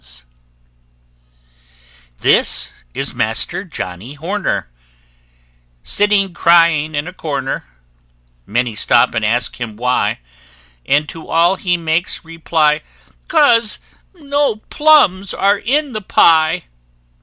This is Master Johnnie Horner, Sitting crying in a corner; Many stop and ask him why, And to all he makes reply, "'Cause no plums are in the pie!"